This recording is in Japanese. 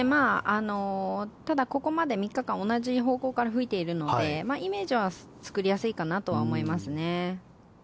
ただ、ここまで３日間同じ方向から吹いているのでイメージは作りやすいかなとは思いますね。